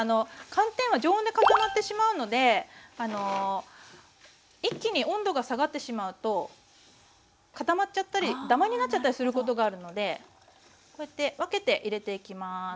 寒天は常温で固まってしまうので一気に温度が下がってしまうと固まっちゃったりダマになっちゃったりすることがあるのでこうやって分けて入れていきます。